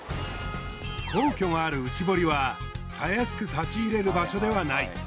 皇居がある内堀はたやすく立ち入れる場所ではない。